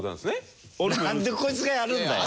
なんでこいつがやるんだよ！